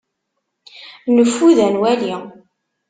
Neffud ad nwali.